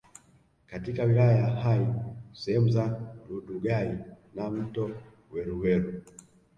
katika wilaya ya Hai sehemu za Rundugai na mto Weruweru